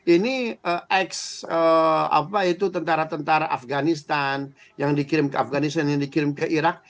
ini tentara tentara afganistan yang dikirim ke afganistan yang dikirim ke iraq